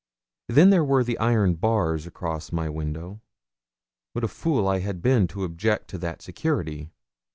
Then there were the iron bars across my window. What a fool had I been to object to that security!